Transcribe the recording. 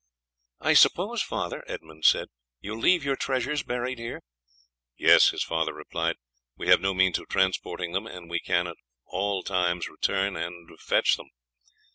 "I suppose, father," Edmund said, "you will leave your treasures buried here?" "Yes," his father replied; "we have no means of transporting them, and we can at any time return and fetch them.